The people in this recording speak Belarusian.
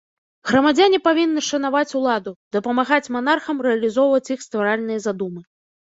Грамадзяне павінны шанаваць уладу, дапамагаць манархам рэалізоўваць іх стваральныя задумы.